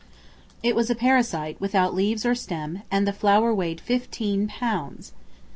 It was a parasite without leaves or stem, and the flower weighed fifteen pounds.